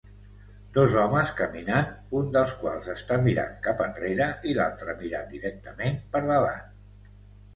Dos homes caminant un dels quals està mirant cap enrere i l'altre mirant directament per davant